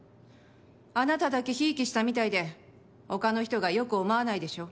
あなただけひいきしたみたいで他の人が良く思わないでしょ。